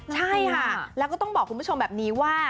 ใช่ค่ะแล้วก็ต้องบอกคุณผู้ชมแบบนี้ว่า